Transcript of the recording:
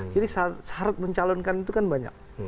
jadi syarat mencalonkan itu kan banyak